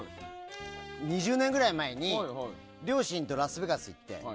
２０年ぐらい前に両親とラスベガス行って。